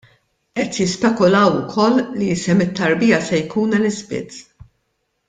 Qed jispekulaw ukoll li isem it-tarbija se jkun Elizabeth.